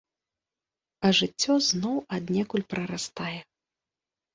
А жыццё зноў аднекуль прарастае.